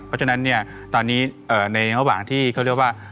เพราะฉะนั้นเนี่ยตอนนี้ในระหว่างที่เขาเรียกว่า